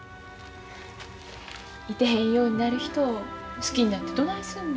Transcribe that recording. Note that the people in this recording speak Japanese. いてへんようになる人を好きになってどないすんの。